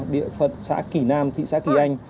địa phận xã kỳ nam thị xã kỳ anh